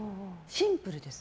シンプルです。